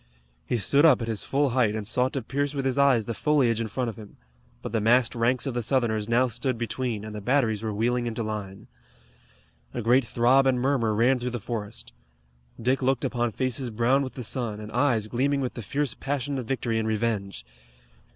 He stood up at his full height and sought to pierce with his eyes the foliage in front of him, but the massed ranks of the Southerners now stood between, and the batteries were wheeling into line. A great throb and murmur ran through the forest. Dick looked upon faces brown with the sun, and eyes gleaming with the fierce passion of victory and revenge.